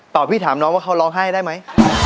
พี่ถามน้องว่าเขาร้องไห้ได้ไหม